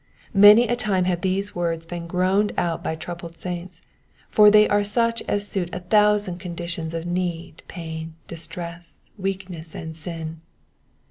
Many a time have these words been groaned out by troubled saints, for they are such as suit a thousand conditions of need, pain, distress, weak ness, and sin.